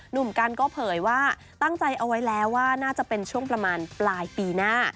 หนุ่มกันก็เผยว่าตั้งใจเอาไว้แล้วว่าน่าจะเป็นช่วงประมาณปลายปีหน้า